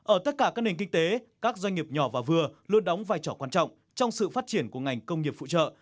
ở tất cả các nền kinh tế các doanh nghiệp nhỏ và vừa luôn đóng vai trò quan trọng trong sự phát triển của ngành công nghiệp phụ trợ